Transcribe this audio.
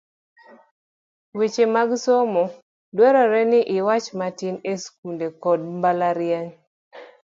Weche mag Somo , dwarore ni iwach matin e wi skunde kod mbalariany